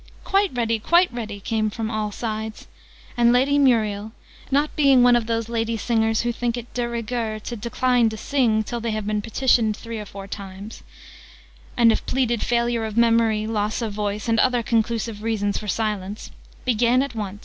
"Quite ready! Quite ready!" came from all sides, and Lady Muriel not being one of those lady singers who think it de rigueur to decline to sing till they have been petitioned three or four times, and have pleaded failure of memory, loss of voice, and other conclusive reasons for silence began at once: {Image...'